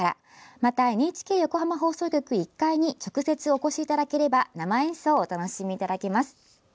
また、ＮＨＫ横浜放送局１階に直接お越しいただければ生演奏をお楽しみいただけます。